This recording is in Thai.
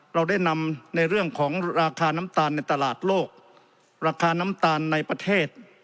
เราได้นำในเรื่องของราคาน้ำตาลในตลาดโลกราคาน้ำตาลในประเทศ